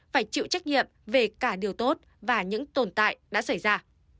phải chịu trách nhiệm về cả điều tốt và những tồn tại đã xảy ra